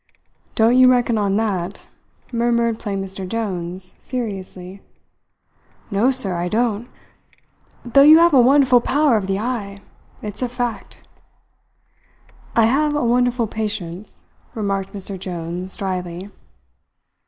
"Don't you reckon on that," murmured plain Mr. Jones seriously. "No, sir, I don't, though you have a wonderful power of the eye. It's a fact." "I have a wonderful patience," remarked Mr. Jones dryly.